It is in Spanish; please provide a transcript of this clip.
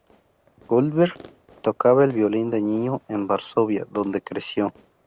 Goldberg tocaba el violín de niño en Varsovia, donde creció.